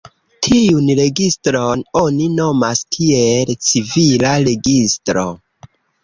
Tiun registron oni nomas kiel "civila registro".